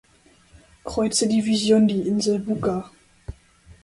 Kreuzerdivision die Insel Buka.